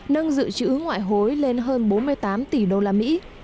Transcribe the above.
nâng dự trữ ngoại hối lên hơn bốn mươi tám tỷ đô la mỹ